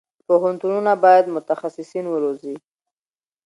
پوهنتونونه باید متخصصین وروزي.